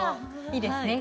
いいですね。